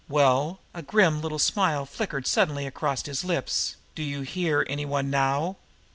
"Well" a grim little smile flickered suddenly across his lips "do you hear any one now?"